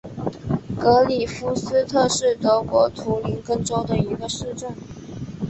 格里夫斯特是德国图林根州的一个市镇。